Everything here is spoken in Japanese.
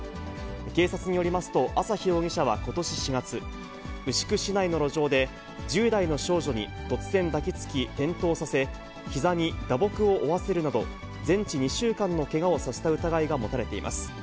警察によりますと、朝日容疑者はことし４月、牛久市内の路上で、１０代の少女に突然抱きつき、転倒させ、ひざに打撲を負わせるなど、全治２週間のけがをさせた疑いが持たれています。